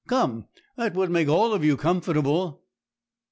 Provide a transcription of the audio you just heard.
Come, that would make all of you comfortable.'